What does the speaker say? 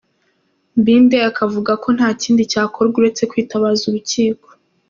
Mbidde akavuga ko nta kindi cyakorwa uretse kwitabaza urukiko.